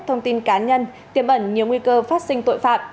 thông tin cá nhân tiềm ẩn nhiều nguy cơ phát sinh tội phạm